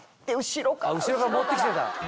後ろから持って来てた？